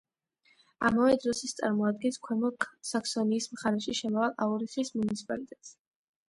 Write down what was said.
ამავე დროს, ის წარმოადგენს ქვემო საქსონიის მხარეში შემავალ აურიხის მუნიციპალიტეტს.